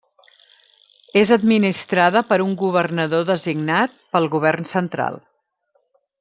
És administrada per un governador designat pel Govern central.